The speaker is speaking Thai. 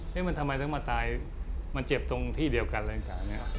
นี่มันทำไมต้องมาตายมันเจ็บตรงที่เดียวกันเลย